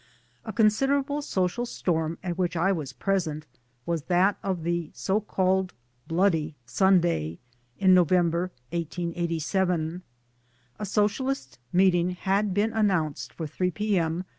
A considerable social storm at which I was present was that of the so called " Bloody Sunday " in November '87. A socialist meeting had been an nounced for 3 p.m.